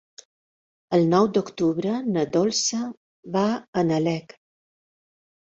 El nou d'octubre na Dolça va a Nalec.